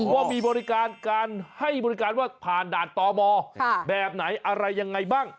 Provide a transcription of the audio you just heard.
ว่ามีบริการการให้บริการว่าผ่านด่านตมแบบไหนอะไรยังไงบ้าง